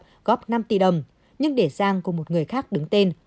công ty architect góp năm tỷ đồng nhưng để giang của một người khác đứng tên